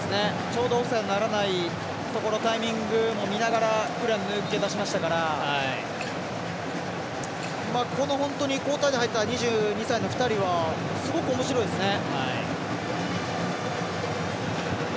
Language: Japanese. ちょうどオフサイドにならないところのタイミングを見ながら抜け出しましたから交代で入った２２歳の２人はすごくおもしろいですね。